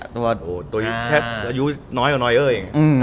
แต่อายุน้อยก็น้อยเอ้ย